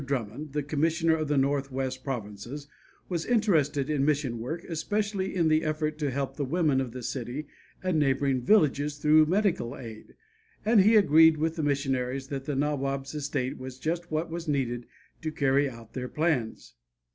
Drummond, the commissioner of the Northwest Provinces, was interested in mission work, especially in the effort to help the women of the city and neighboring villages through medical aid, and he agreed with the missionaries that the Nawab's estate was just what was needed to carry out their plans.